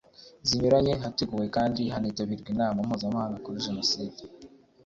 Ku bufatanye n inzego zinyuranye hateguwe kandi hanitabirwa Inama Mpuzamahanga kuri Jenoside